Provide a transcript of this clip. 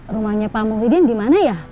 rumahnya pak muhyiddin dimana ya